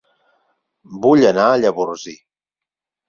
Vull anar a Llavorsí